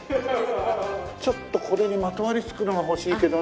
ちょっとこれにまとわりつくのが欲しいけどな。